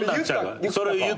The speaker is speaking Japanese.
それを言ってて。